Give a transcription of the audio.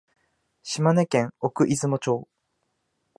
島根県奥出雲町